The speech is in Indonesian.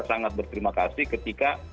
sangat berterima kasih ketika